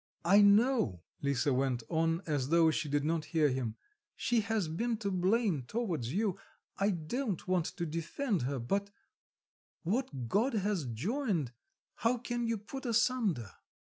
"I know," Lisa went on, as though she did not hear him, "she has been to blame towards you. I don't want to defend her; but what God has joined, how can you put asunder?"